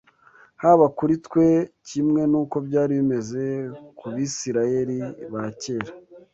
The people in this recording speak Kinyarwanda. Haba kuri twe kimwe n’uko byari bimeze ku Bisirayeli ba kera